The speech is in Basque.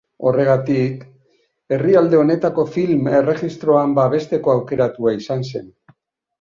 Horregatik, herrialde honetako Film Erregistroan babesteko aukeratua izan zen.